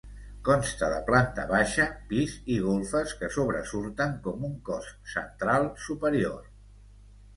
Consta de planta baixa, pis i golfes que sobresurten com un cos central superior.